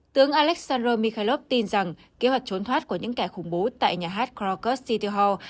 tướng alexander mikhailov tin rằng kế hoạch trốn thoát của những kẻ khủng bố tại nhà hát krakow city hall